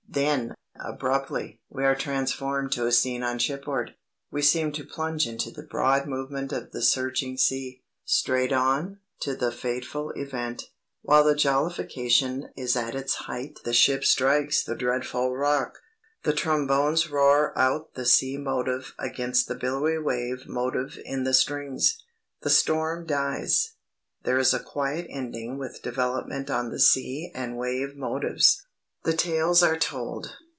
Then, abruptly, we are transferred to a scene on shipboard. "We seem to plunge into the broad movement of the surging sea, straight on to the fateful event." While the jollification is at its height the ship strikes the dreadful rock. "The trombones roar out the Sea motive against the billowy Wave motive in the strings.... The storm dies.... There is a quiet ending with development on the Sea and Wave motives. The tales are told.